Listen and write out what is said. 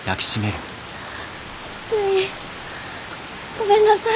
ごめんなさい。